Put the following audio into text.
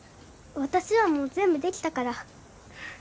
私はもう全部できたから。